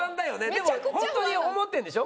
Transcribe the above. でもホントに思ってるんでしょ？